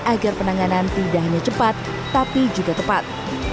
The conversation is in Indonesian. agar penanganan tidak hanya cepat tapi juga tepat